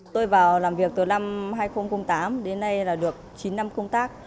tôi vào làm việc từ năm hai nghìn tám đến nay là được chín năm công tác